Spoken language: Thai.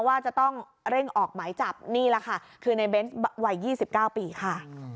ว่าจะต้องเร่งออกหมายจับนี่แหละค่ะคือในเบนส์วัย๒๙ปีค่ะ